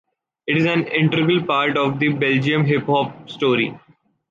It is an integral part of the Belgium hip-hop story.